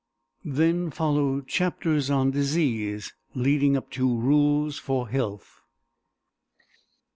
[Then follow chapters on disease, leading up to rules for health.